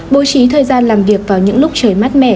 bố trí thời gian làm việc vào những lúc trời mát mẻ